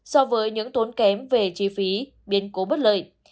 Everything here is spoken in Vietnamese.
so với những tốn kém về chi phí biến cố bất lợi